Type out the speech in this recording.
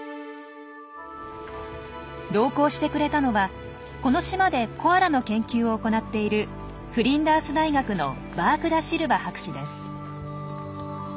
同行してくれたのはこの島でコアラの研究を行っているフリンダース大学のバーク・ダ・シルバ博士です。